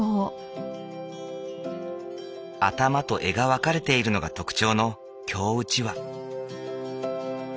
頭と柄が分かれているのが特徴の京うちわ。